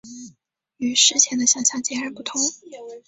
与事前的想像截然不同